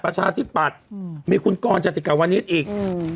ประชาธิปัจอืมมีคุณก้อนจัดกรรมวันนี้อีกอืม